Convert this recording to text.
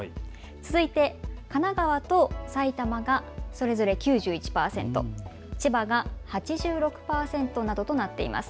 続いて神奈川と埼玉がそれぞれ９１％、千葉が８６％などとなっています。